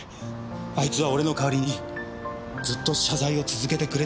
あいつは俺の代わりにずっと謝罪を続けてくれてたんです。